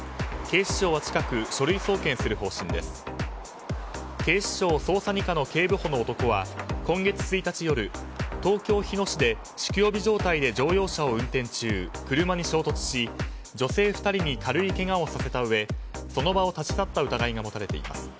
警視庁捜査２課の警部補の男は今月１日夜東京・日野市で酒気帯び状態で乗用車を運転中車に衝突し女性２人に軽いけがをさせたうえその場を立ち去った疑いが持たれています。